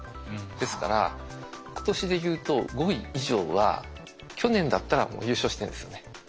ですから今年でいうと５位以上は去年だったら優勝してるんですよね。